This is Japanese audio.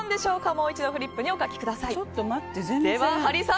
もう一度フリップにお書きください。